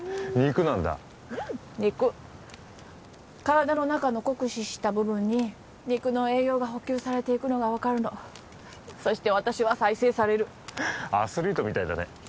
肉なんだうん肉体の中の酷使した部分に肉の栄養が補給されていくのが分かるのそして私は再生されるアスリートみたいだね